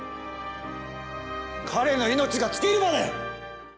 彼の命が尽きるまで！